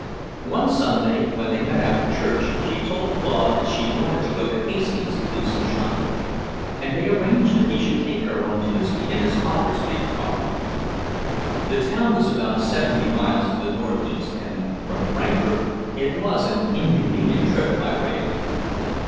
One Sunday, when they met after church, she told Claude that she wanted to go to Hastings to do some shopping, and they arranged that he should take her on Tuesday in his father's big car. The town was about seventy miles to the northeast and, from Frankfort, it was an inconvenient trip by rail.